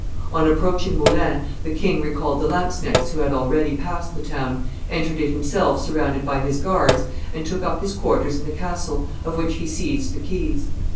On approaching Moulins the king recalled the lanzknechts who had already passed the town, entered it himself surrounded by his guards, and took up his quarters in the castle, of which he seized the keys.